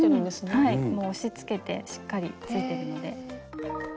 はいもう押しつけてしっかりついてるので。